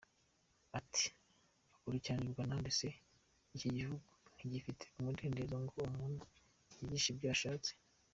Ati “Akurikiranwa nande se? iki gihugu ntigifite umudendezo ngo umuntu yigishe ibyo ashatse?”.